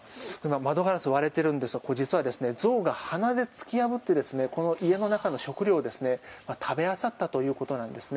窓ガラスが割れているんですが実は象が鼻で突き破って家の中の食料を食べ漁ったということなんですね。